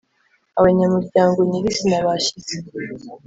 Abanyamuryango nyiri izina bashyize